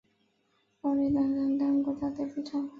保历曾短暂担任国家队助教。